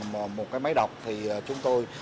một cái máy đọc thì chúng tôi